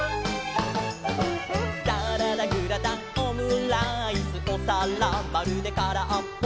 「サラダグラタンオムライスおさらまるでからっぽ」